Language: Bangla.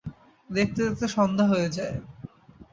দেখতে-দেখতে সন্ধ্যা হয়ে যায় ।